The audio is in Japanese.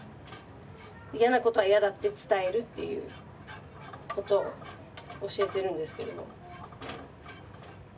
嫌なことは嫌だって伝えるっていうことを教えてるんですけれど。